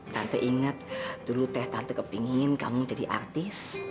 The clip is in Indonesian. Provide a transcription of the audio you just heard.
tante inget dulu teh tante kepengen kamu jadi artis